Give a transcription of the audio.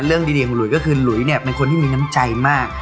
เรื่องดีของหลุยก็คือหลุยเนี่ยเป็นคนที่มีน้ำใจมาก